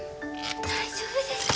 大丈夫ですか。